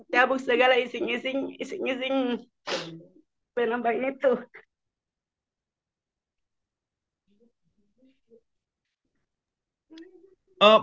tabuk segala ising ising penambangan itu